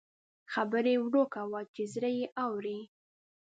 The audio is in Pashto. خبرې ورو کوه چې زړه یې اوري